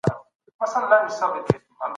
د خلکو چلند څنګه اټکل کیدای سي؟